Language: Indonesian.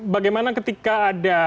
bagaimana ketika ada